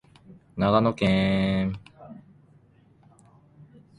長野県下條村